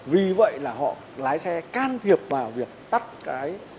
vì vậy là họ lái xe can thiệp vào việc tắt cái